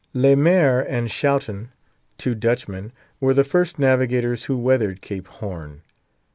Le Mair and Schouten, two Dutchmen, were the first navigators who weathered Cape Horn.